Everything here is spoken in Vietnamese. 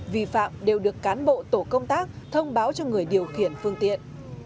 vi phạm đều được cán bộ tổ công tác thông báo cho người điều khiển phương tiện